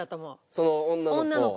その女の子？